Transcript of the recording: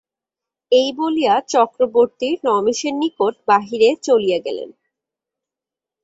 এই বলিয়া চক্রবর্তী রমেশের নিকট বাহিরে চলিয়া গেলেন।